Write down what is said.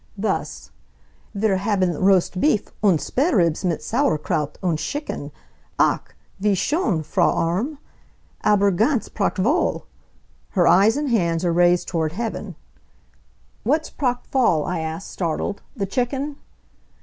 Thus: "Wir haben roast beef, und spareribs mit Sauerkraut, und schicken ach, wie schon, Frau Orme! Aber ganz prachtvoll!" Her eyes and hands are raised toward heaven. "What's prachtful?" I ask, startled. "The chicken?"